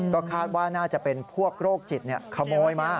ก็คาดว่าน่าจะเป็นพวกโรคจิตขโมยมา